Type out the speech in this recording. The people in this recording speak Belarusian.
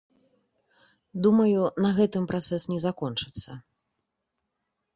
Думаю, на гэтым працэс не закончыцца.